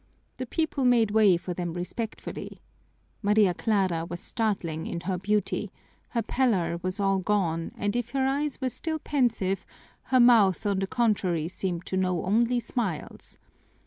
The people made way for them respectfully. Maria Clara was startling in her beauty; her pallor was all gone, and if her eyes were still pensive, her mouth on the contrary seemed to know only smiles.